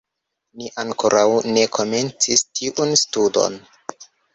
Ni ankoraŭ ne komencis tiun studon.